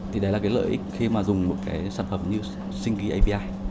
thì đấy là lợi ích khi dùng một sản phẩm như stringy api